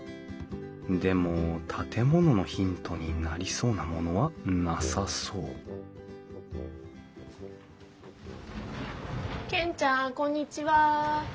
でも建物のヒントになりそうなものはなさそう健ちゃんこんにちは。